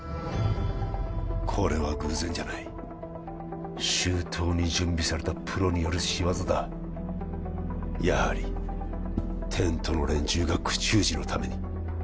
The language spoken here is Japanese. これは偶然じゃない周到に準備されたプロによる仕業だやはりテントの連中が口封じのために？